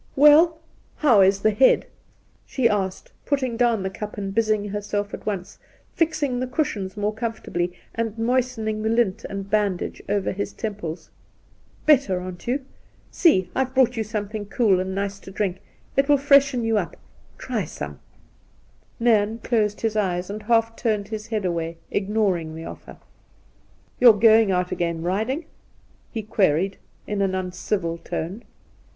' Well, how is the head V she asked, putting down the cup and busying herself at once, fixing the cushions more comfortably, and moistening the lint and bandage over his temples. ' Better, aren't you ? See, I've brought you something cool and nice to drink. It will freshen you up again. Try some !' Induna Nairn 1 1 7 Nairn closed his eyes, and half turned his head away, ignoring the offer. ' You are going out again, riding ?' he queried, in an uncivil tone.